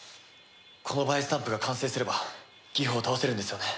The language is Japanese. このバイスタンプが完成すればギフを倒せるんですよね？